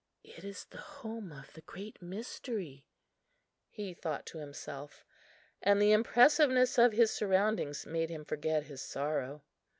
"It is the home of the Great Mystery," he thought to himself; and the impressiveness of his surroundings made him forget his sorrow.